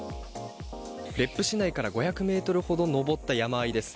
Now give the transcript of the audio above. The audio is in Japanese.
別府市内から５００ｍほど登った山あいです。